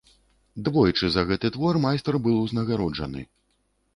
Двойчы за гэты твор майстар быў узнагароджаны.